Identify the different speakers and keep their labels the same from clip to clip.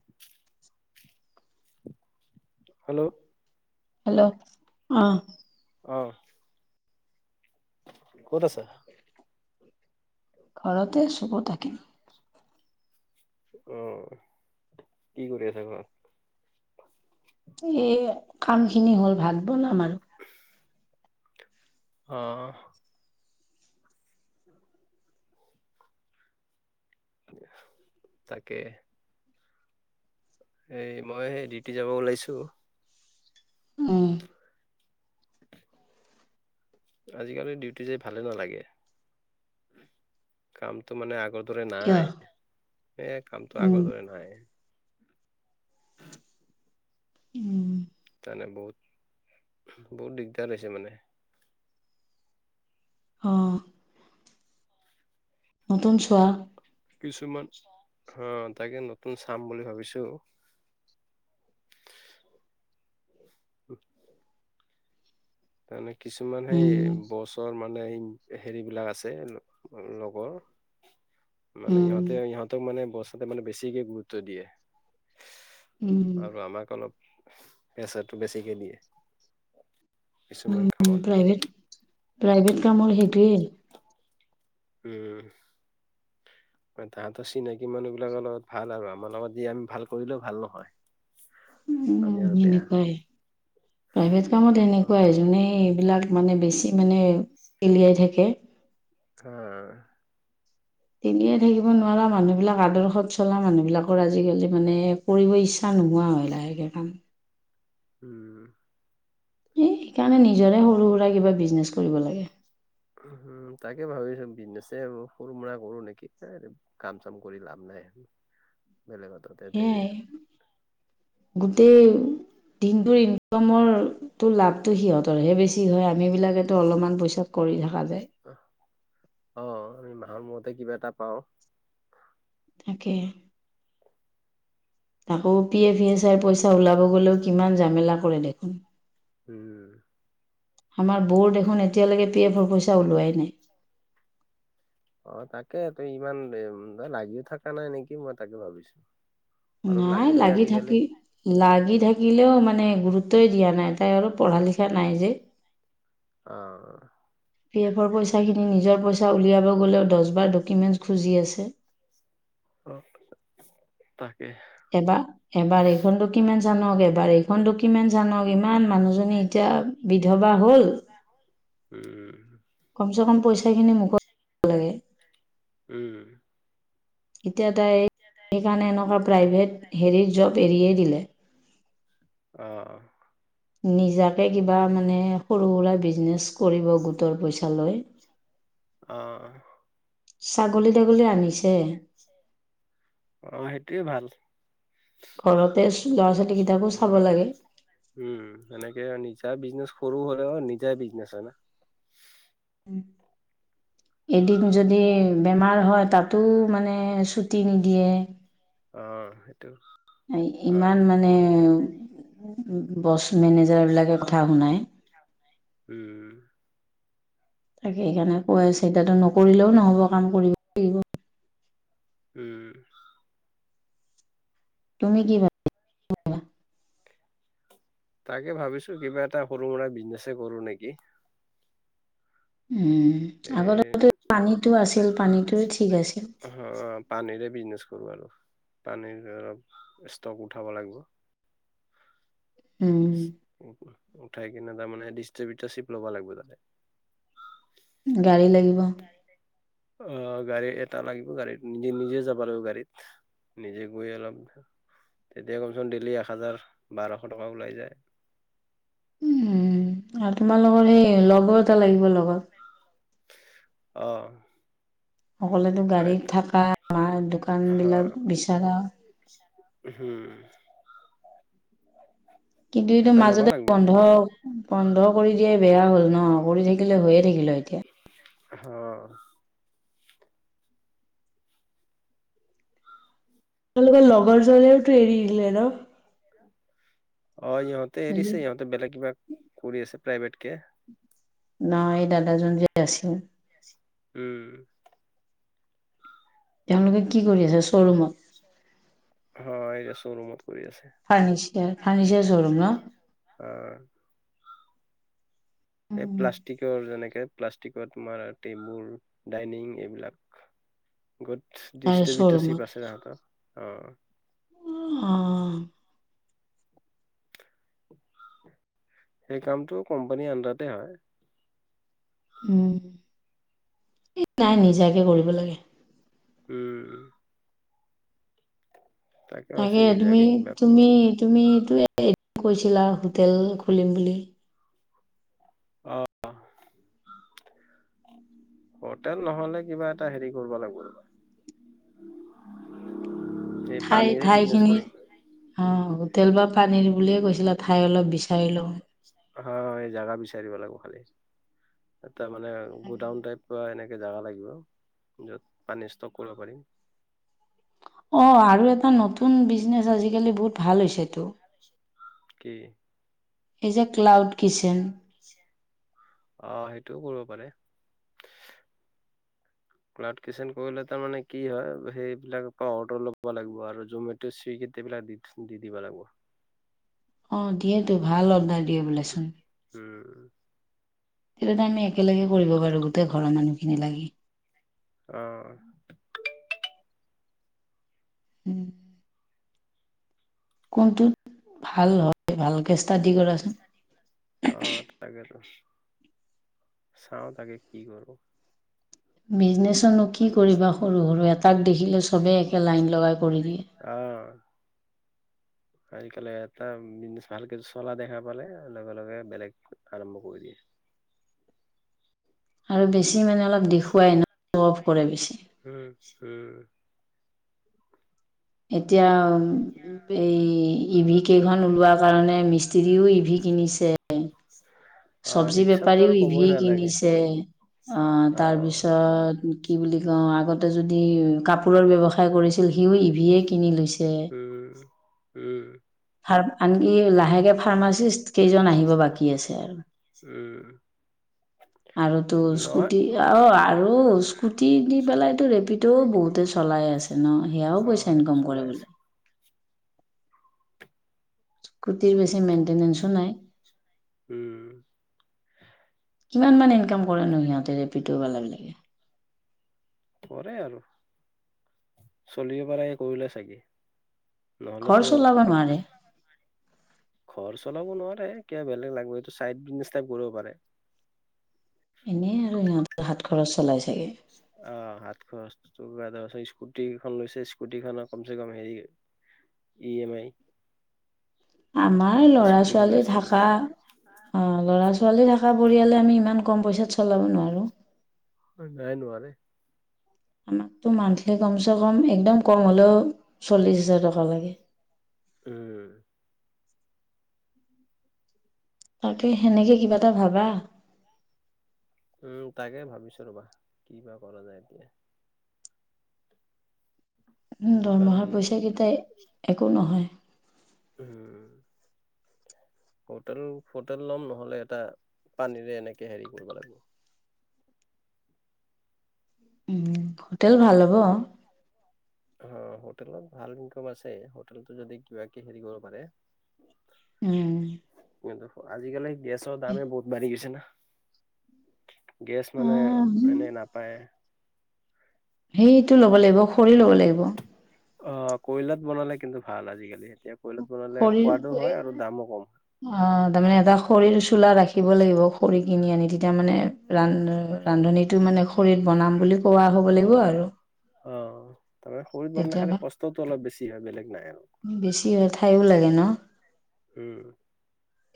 Speaker 1: [inaudible] Hello.
Speaker 2: Hello অ'।
Speaker 1: অ'। ক'ত আছা?
Speaker 2: ঘৰতে আছোঁ, ক'ত থাকিম।
Speaker 1: অ' কি কৰি আছা ঘৰত?
Speaker 2: এ, কামখিনি হ'ল, ভাত বনাম আৰু।
Speaker 1: [inaudible] হ তাকে। এই মই হে, ডিউটি যাব ওলাইছোঁ।
Speaker 2: উম।
Speaker 1: আজিকালি ডিউটি যাই ভালে নালাগে। কামটো মানে আগৰ দৰে
Speaker 2: কিয়
Speaker 1: নাই, এ, কামটো
Speaker 2: উম
Speaker 1: আগৰ দৰে নাই।
Speaker 2: উম।
Speaker 1: তানে বহুত, বহুত দিগদাৰ হৈছে মানে।
Speaker 2: অ'। নতুন চোৱা।
Speaker 1: কিছুমান, হ তাকে নতুন চাম বুলি ভাবিছোঁ। তানে কিছুমান সেই
Speaker 2: উম
Speaker 1: বচ তৰ মানে হেৰিবিলাক আছে লগৰ। মানে
Speaker 2: উম
Speaker 1: ইহঁতে ইহঁতক মানে বচহতে মানে বেছিকে গুৰুত্ব দিয়ে।
Speaker 2: উম
Speaker 1: আৰু আমাক অলপ প্ৰেছাৰটো বেছিকে দিয়ে।
Speaker 2: উম,
Speaker 1: কিছুমান
Speaker 2: উম,
Speaker 1: কামত
Speaker 2: প্ৰাইভেট প্ৰাইভেট কামৰ সেইটোৱেই।
Speaker 1: উম। আ, তাহাঁতৰ চিনাকি মানুহবিলাকৰ লগত ভাল আৰু, আমাৰ লগত যি আমি ভাল কৰিলেও ভাল নহয়।
Speaker 2: উ, উ,
Speaker 1: আমি আৰু বেয়া
Speaker 2: এনেকুৱাই, প্ৰাইভেট কামত
Speaker 1: অ
Speaker 2: এনেকুৱাই যোনে এইবিলাক মানে বেছি মানে তেলিয়াই থাকে।
Speaker 1: হা।
Speaker 2: এনিয়ে থাকিব নোৱাৰা। মানুহ বিলাক আদৰ্শত চলা মানুহ বিলাকৰ আজিকালি মানে কৰিব ইচ্ছা নোহোৱা হয় লাহেকৈ কাম।
Speaker 1: উম।
Speaker 2: এই সেইকাৰণে নিজৰে সৰু সুৰা কিবা ব্ৰিজনেছ কৰিব লাগে।
Speaker 1: উম, তাকে ভাবিছোঁ। ব্ৰিজনেছে সৰু সুৰা কৰোঁ নেকি? কাম চাম কৰি লাভ নাই, বেলেগত তাতে তেই
Speaker 2: সেয়াই গোটেই দিনটোৰ ইনকামৰ তোৰ লাভতো সিহঁতৰহে বেছি হয়। আমি বিলাকেতো অলপমান পইচাত কৰি থকা যায়
Speaker 1: আহ অ' আমি মাহৰ মুৰতহে কিবা এটা পাওঁ।
Speaker 2: তাকে। আকৌ পি এফ ই এছ আইৰ পইচা ওলাব গ'লেও কিমান জামেলা কৰে দেখোন।
Speaker 1: উম।
Speaker 2: আমাৰ বৌৰ দেখোন এতিয়ালৈকে পি এফৰ পইচা ওলোৱাই নাই।
Speaker 1: অ' তাকে তোৰ ইমান এ উম লাগি থকা নাই নেকি মই তাকে ভাবিছোঁ?
Speaker 2: নাই লাগি থাকি। লাগি থাকিলেও মানে গুৰুত্বই দিয়া নাই। তাইৰ অলপ পঢ়া লিখা নাই যে।
Speaker 1: আহ।
Speaker 2: পি এফৰ পইচা খিনি নিজৰ পইচা উলিয়াব গ'লেও দহবাৰ ডকুমেণ্টছ খুজি আছে।
Speaker 1: অ' তাকে।
Speaker 2: এবাৰ, এবাৰ এইখননো কিমান চনৰ পেপাৰ, এইখননো কিমান চনৰ ইমান মানুহজনী এতিয়া
Speaker 1: এতিয়া
Speaker 2: বিধৱা হ'ল
Speaker 1: বিধৱা হ'ল। উম,
Speaker 2: কমচে কম পইচাখিনি মোকত লাগে
Speaker 1: উম।
Speaker 2: এতিয়া তাইৰ সেইকাৰণে এনেকুৱা প্ৰাইভেট হেৰি জব্দ এৰিয়েই দিলে।
Speaker 1: অ'অ'
Speaker 2: নিজাকে কিবা মানে সৰু সুৰা ব্ৰিজনেছ কৰিব গোটৰ পইচা লয়।
Speaker 1: অ
Speaker 2: ছাগলী তাগলী আনিছে।
Speaker 1: যে অ' সেইটোৱে ভাল।
Speaker 2: ঘৰতে
Speaker 1: অ
Speaker 2: ল'ৰা-ছোৱালী কেইটাকো চাব লাগে।
Speaker 1: উম, এনেকে নিজা ব্ৰিজনেছ সৰু হ'লে নিজাই ব্ৰিজনেছ হয় না।
Speaker 2: এদিন যদি বেমাৰ হয় তাত টো মানে ছুটি নিদিয়ে।
Speaker 1: অহ' সেইটো
Speaker 2: এই
Speaker 1: হয়
Speaker 2: ইমান মানেও ব্ৰছ মেনেজাৰ বিলাকে কথা শুনায়।
Speaker 1: উম
Speaker 2: তাকে সেইকাৰণে খোৱা চিন্তাটোৰ নকৰিলেও নহ'ব কাম কৰিব লাগিব।
Speaker 1: উম।
Speaker 2: তুমি কি বনা
Speaker 1: তাকে ভাবিছোঁ কিবা এটা সৰু সুৰা ব্ৰিজনেছ কৰোঁ নেকি?
Speaker 2: উম,
Speaker 1: এ
Speaker 2: আগতেটো পানীটো আছিল। পানীটোৱে ঠিক আছিল।
Speaker 1: অ' পানীৰে ব্ৰিজনেছ কৰিব লাগিব আৰু পানীৰ অলপ ষ্টক উঠাব লাগিব।
Speaker 2: উম।
Speaker 1: ও উঠাই কিনে তাৰমানে ডিষ্টাৰ বিটৰ চিপ ল'ব লাগিব তাতে।
Speaker 2: গাড়ী লাগিব।
Speaker 1: অ' গাড়ী এটা লাগিব। গাড়ীত নিজে নিজে যাব লাগিব। গাড়ীত নিজে গৈ অলপ তেতিয়া কমচেকম ডেইলি এক হেজাৰ, বাৰশ টকা ওলাই যায়।
Speaker 2: উম, আৰু তোমালোকৰ সেই লগৰ এটা লাগিব লগত।
Speaker 1: অ'।
Speaker 2: অকলেটো
Speaker 1: হয়
Speaker 2: গাড়ীত আমাৰ দোকান বিলাক বিচাৰা।
Speaker 1: উমহ।
Speaker 2: কিন্তু এইটো
Speaker 1: এটা ল'বা
Speaker 2: মাজতে
Speaker 1: লাগিব অ
Speaker 2: বন্ধ বন্ধ কৰি দিয়াই বেয়া হ'ল ন' কৰি থাকিলে হৈয়ে থাকিলে হয় এতিয়া।
Speaker 1: অ'।
Speaker 2: তোমালোকৰ লগৰ জনেওটো এৰি দিলে ন'?
Speaker 1: অ', ইহঁতে
Speaker 2: নহয়
Speaker 1: এৰিছে ইহঁতে বেলেগ কিবা, কৰি আছে প্ৰাইভেট কে।
Speaker 2: নাই এই দাদাজন যে আছিল।
Speaker 1: উম।
Speaker 2: তেওঁলোকে কি কৰি আছে শ্ব'ৰুমত?
Speaker 1: হয়, এতিয়া শ্ব'ৰুমত কৰি আছে।
Speaker 2: ফাৰ্নিচাৰ, ফাৰ্নিচাৰ শ্ব'ৰুম ন'?
Speaker 1: অ'। এই প্লাষ্টিকৰ যেনেকে প্লাষ্টিকৰ তোমাৰ টেবুল, ডাইনিং এইবিলাক। গত
Speaker 2: তাৰে
Speaker 1: দৃষ্টিবিউটাৰ
Speaker 2: শ্ব'ৰুমত
Speaker 1: চিপ আছে তহঁতৰ অ'।
Speaker 2: অ'।
Speaker 1: সেই কামটো কোম্পানীৰ আণ্ডাৰতে হয়।
Speaker 2: উম, এই নাই নিজাকে কৰিব লাগে।
Speaker 1: উম। ভাবিছো
Speaker 2: তাকে
Speaker 1: নিজাকে কিবা কৰো আৰু
Speaker 2: তুমি-তুমি-তুমিটো [unintelligible] কৈছিলা হোটেল খুলিম বুলি।
Speaker 1: অ
Speaker 2: [inaudible]
Speaker 1: হোটেল নহ'লে কিবা এটা হেৰি কৰবো লাগিব ৰ'বা। এই
Speaker 2: ঠাই
Speaker 1: পানীৰে বিজনেচ
Speaker 2: ঠাইখিনি
Speaker 1: কৰিম।
Speaker 2: অ', হোটেল বা পানীৰ বুলিয়ে কৈছিলা, ঠাই অলপ বিচাৰি লওঁ।
Speaker 1: হয়, এই জাগা বিচাৰিব লাগিব খালি, তাৰ মানে গোডাউন টাইপ। এনেকে জাগা লাগিব, য'ত পানী ষ্টক কৰিব পাৰিম।
Speaker 2: অ', আৰু এটা নতুন বিজনেচ আজিকালি বহুত ভাল হৈছেটো।
Speaker 1: কি?
Speaker 2: এই যে ক্লাউড কিচেন।
Speaker 1: আহ, সেইটোও কৰিব পাৰে। ক্লাড কিচেন কৰিলে তাৰমানে কি হয়, সেইবিলাকৰ পৰা অৰ্ডাৰ ল'ব লাগিব আৰু জমে ত' চুইগীত এইবিলাক দি-দি দিব লাগিব।
Speaker 2: অ', দিয়েতো, ভাল অৰ্ডাৰ দিয়ে বোলেচোন।
Speaker 1: উম।
Speaker 2: তেতিয়াটো আমি একেলগে কৰিব পাৰো গোটেই ঘৰৰ মানুহখিনি লাগি।
Speaker 1: অ'।
Speaker 2: উম। কোনটোত, ভাল হয়? ভালকে ষ্টাডি কৰা।
Speaker 1: অ', তাকেতো, চাও তাকে কি কৰো!
Speaker 2: বিজনেচচোনো কি কৰিবা সৰু-সৰু এটাক দেখিলে চবেই একে লাইন লগাই কৰি দিয়ে।
Speaker 1: অ'। আজকালি এটা বিজনেচ ভালকে চলা দেখা পালে লগে লগে বেলেগ আৰম্ভ কৰি দিয়ে।
Speaker 2: আৰু বেছি মানে অলপ দেখুৱাই ন সোঅফ কৰে বেছি।
Speaker 1: উচ - উম
Speaker 2: এতিয়াম এই ইভি কেইখন ওলোৱা কাৰণে মিস্ত্ৰীও ইভি কিনিছে।
Speaker 1: [unintelligible]
Speaker 2: চব্জি
Speaker 1: ৰিক্সাতটো আৰু
Speaker 2: বেপাৰীও
Speaker 1: ক'বই
Speaker 2: ইভি
Speaker 1: নালাগে
Speaker 2: কিনিছে, অ' তাৰপিছত কি বুলি কওঁ আগতে যদি কাপোৰৰ ব্যৱসায় কৰিছিল সিও ইভিয়ে কিনি লৈছে।
Speaker 1: উম - উম
Speaker 2: আৰ আনকি লাহেকে ফাৰ্মাচিষ্ট কেইজন আহিব বাকী আছে আৰু।
Speaker 1: উম
Speaker 2: আৰুটো
Speaker 1: নহয়
Speaker 2: স্কুটি অ', আৰু স্কুটি দি পেলাইতো ৰেপিডো বহুতে চলাই আছে ন সেয়াঁও
Speaker 1: অ
Speaker 2: পইচা
Speaker 1: সেইটো
Speaker 2: ইনকাম
Speaker 1: চলাই
Speaker 2: কৰে বোলে।
Speaker 1: আছে
Speaker 2: স্কুটিৰ বেছি মেইনটেনেন্সো নাই।
Speaker 1: উম
Speaker 2: কিমান মান ইনকাম কৰেনো সিহঁতে, ৰেপিড'অ বিলাকে?
Speaker 1: কৰে আৰু, চলি পাৰাই কৰি লয় চাগে।
Speaker 2: ঘৰ
Speaker 1: ন'হলেতো
Speaker 2: চলাব
Speaker 1: কে
Speaker 2: নোৱাৰে
Speaker 1: ঘৰ চলাব নোৱাৰে কিবা বেলেগ লাগিব চাইড বিজনেছ টাইপ কৰিব পাৰে।
Speaker 2: এনে আৰু সিহঁতৰ হাত খৰচ চলাই চাগে।
Speaker 1: অ', হাত খৰচ [unintelligible] স্কুটিকেইখন লৈছে স্কুটি খনৰ কমচেকম হেৰি ই - এম - আই
Speaker 2: আমাৰ ল'ৰা,
Speaker 1: স্কুটিখন
Speaker 2: ছোৱালী
Speaker 1: ইনষ্টলমেণ্ট
Speaker 2: থাকা অ', ল'ৰা, ছোৱালী থকা পৰিয়ালে আমি ইমান ক'ম পইচাত চলাব নোৱাৰোঁ।
Speaker 1: অ', নাই নোৱাৰে।
Speaker 2: আমাকতো মান্থলি ক'মচে ক'ম একদম ক'ম হ'লেও চল্লিশ হাজাৰ টকা লাগে।
Speaker 1: উম উম।
Speaker 2: তাকে সেনেকে কিবা এটা ভাবা।
Speaker 1: উম তাকে ভাবিছো ৰ'বা, কিবা কৰা যায় এতিয়া।
Speaker 2: উম
Speaker 1: দোকান
Speaker 2: দৰমহাৰ পইচা কেতাই, একো নহয়।
Speaker 1: উম। হোটেল হোটেল লম নহ'লে এটা পানীৰে এনেকে হেৰি কৰিব লাগিব।
Speaker 2: উম হোটেল ভাল হ'ব।
Speaker 1: অ', হোটেলত ভাল ইনকাম আছে, হোটেলটোত যদি কিবা কি হেৰি কৰিব পাৰে।
Speaker 2: উম।
Speaker 1: কিন্তু আজিকালি গেছৰ দামে বহুত বাঢ়ি গৈছে না। গেছ মানে
Speaker 2: আহ,
Speaker 1: এনে নাপায়।
Speaker 2: সেইটো ল'ব লাগিব, খৰি ল'ব লাগিব।
Speaker 1: অ', ক'ইলাত বনালে কিন্তু ভাল আজিকালি এতিয়া ক'ইলাত বনালে
Speaker 2: খৰি
Speaker 1: সোৱাদো হয় আৰু দামো ক'ম।
Speaker 2: অ', তাৰমানে এটা খৰিৰ চোলা ৰাখিব লাগিব, খৰি কিনি আনি। এতিয়া মানে ৰান, ৰান্ধনীটো মানে খৰিত বনাম বুলি কোৱা হ'ব লাগিব আৰু
Speaker 1: অ', অ', তাপা খৰিত বনালে
Speaker 2: তেতিয়া
Speaker 1: খালে কচ টটো অলপ বেছি হয় বেলেগ নাই।
Speaker 2: বেছি হয় ঠাইয়ো লাগে ন।
Speaker 1: উম।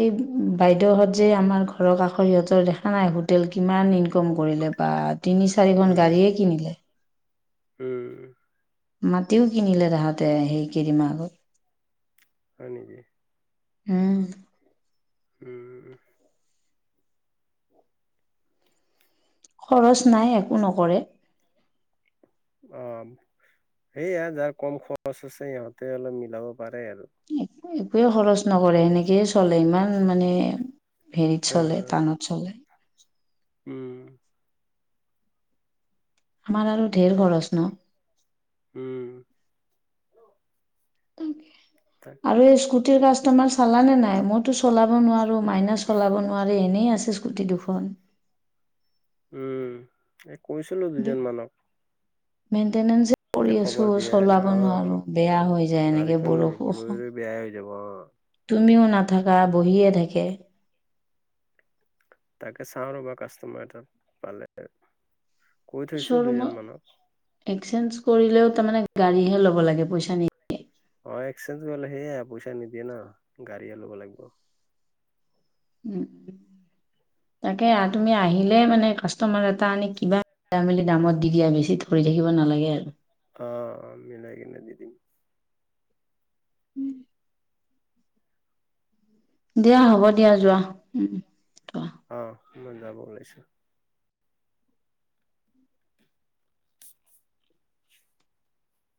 Speaker 2: এই বাইদউ'হত যে আমাৰ ঘৰৰ কাষ খৰ সিহঁতৰ দেখা নাই হোটেল কিমান ইনকম কৰিলে বা তিনি, চাৰিখন
Speaker 1: উম
Speaker 2: গাড়ীয়ে কিনিলে।
Speaker 1: উম।
Speaker 2: মাটিও কিনিলে তাহাঁতে সেই কেইদিনমান আগত।
Speaker 1: হয় নেকি?
Speaker 2: উম।
Speaker 1: উম।
Speaker 2: খৰচ নাই, একো নকৰে।
Speaker 1: অ', সেইয়া যাৰ ক'ম খৰচ আছে সিহঁতে অলপ মিলাব পাৰে আৰু।
Speaker 2: একোৱে খৰচ নকৰে সেনেকেয়ে চলে, ইমান মানে হেৰিত চলে
Speaker 1: অ,
Speaker 2: টানত চলে
Speaker 1: উম।
Speaker 2: আমাৰ আৰু ধেৰ খৰছ ন।
Speaker 1: উম। তাকে
Speaker 2: আৰু এই স্কুটিৰ কাষ্টমাৰ চালানে নাই? মইতো চলাব নোৱাৰো মাইনা চ লাব নোৱাৰে এনেই আছে স্কুটি দুখন।
Speaker 1: উম এই কৈছিলো দুজন মানক।
Speaker 2: মেইনটেনেন্সে কৰি
Speaker 1: এতিয়া
Speaker 2: আছো
Speaker 1: খবৰ দিয়াই নাই
Speaker 2: চলাব
Speaker 1: অ'
Speaker 2: নোৱাৰো, বেয়া হৈ যায় এনেকে
Speaker 1: গাড়ীখন ৰৈ
Speaker 2: বৰুওখ
Speaker 1: ৰৈ বেয়াই হৈ যাব অ'
Speaker 2: তুমিও নাথাকা, বহিয়ে থাকে।
Speaker 1: তাকে চাওঁ ৰ'বা কাষ্টমাৰ এটা পালে কৈ থৈছো দুজন মানক
Speaker 2: শ্বৰুমত এক্সচঞ্জ কৰিলেও তামানে গাড়ীহে ল'ব লাগে, পইচা নি
Speaker 1: অ, এক্সেঞ্জ গ'লে সেয়া পইচা নিদিয়ে ন, গাড়ীয়ে ল'ব লাগব।
Speaker 2: উম, তাকে আ তুমি আহিলেই মানে কাষ্টমাৰ এটা আনি কিবা চাই মেলি দামত দি দিয়া বেছি ধৰি থাকিব নালাগে আৰু।
Speaker 1: অ অ, মিলাই কিনে দি দিম।
Speaker 2: উম। দিয়া হ'ব দিয়া, যোৱা। থোৱা।
Speaker 1: অহ, মই যাব উলাইছো।